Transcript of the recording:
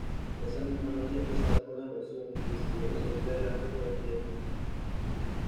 Esa misma noche empezaron con las versiones, y decidieron seguir adelante con el proyecto.